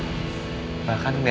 dia bakal benci banget sama lo